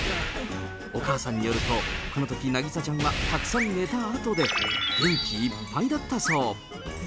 お母さんによると、このとき、凪里ちゃんはたくさん寝たあとで、元気いっぱいだったそう。